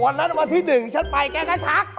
วันนั้นวันที่๑ฉันไปแก่กระซัก